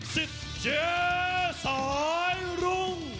สิทเจสายรุ้ง